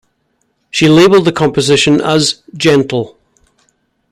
She labelled the composition as "gentle".